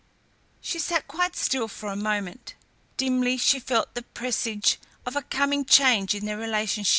She sat quite still for a moment. Dimly she felt the presage of a coming change in their relations.